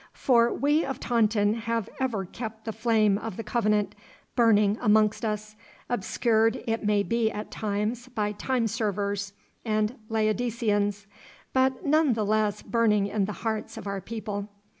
For we of Taunton have ever kept the flame of the Covenant burning amongst us, obscured it may be at times by time servers and Laodiceans, but none the less burning in the hearts of our people.